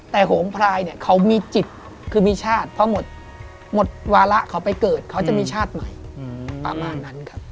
แต่โหงพลายเนี่ยเขามีจิตคือมีชาติเพราะหมดวาระเขาไปเกิดเขาจะมีชาติใหม่ประมาณนั้นครับ